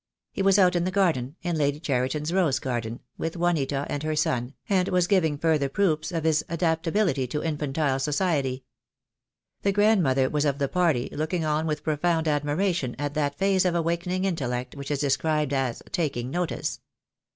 He was out in the garden — in Lady Cheriton' s rose garden — with Juanita and her son, and was giving further proofs of his adaptability to infantile society. The grandmother was of the party, looking on with profound admiration at that phase of awakening intellect which is described as "taking notice."